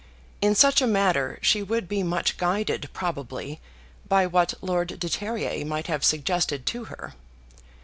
In such a matter she would be much guided probably by what Lord de Terrier might have suggested to her.